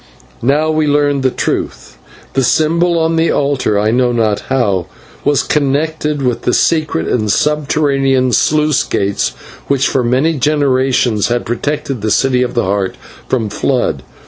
Now we learned the truth. The symbol on the altar I know not how was connected with secret and subterranean sluice gates which for many generations had protected the City of the Heart from flood.